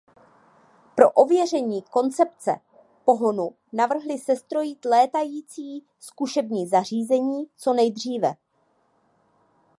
Pro ověření koncepce pohonu navrhli sestrojit létající zkušební zařízení co nejdříve.